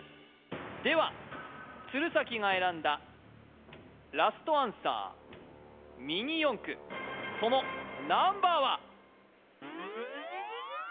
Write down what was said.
では鶴崎が選んだラストアンサーミニ四駆そのナンバーは２７！